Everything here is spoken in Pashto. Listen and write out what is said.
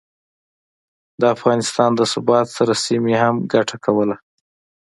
د افغانستان د ثبات سره، سیمې هم ګټه کوله